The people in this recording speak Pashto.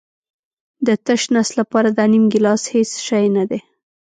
د تش نس لپاره دا نیم ګیلاس هېڅ شی نه دی.